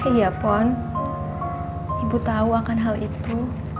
iya pon ibu tahu akan hal itu